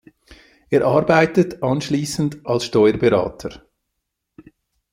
Er arbeitet anschließend als Steuerberater.